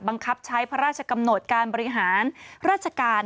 บังคับใช้พระราชกำหนดการบริหารราชการ